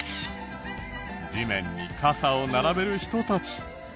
地面に傘を並べる人たち。